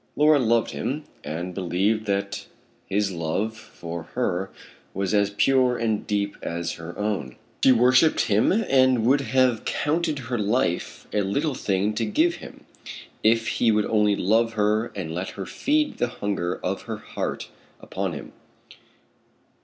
Laura loved him, and believed that his love for her was as pure and deep as her own. She worshipped him and would have counted her life a little thing to give him, if he would only love her and let her feed the hunger of her heart upon him.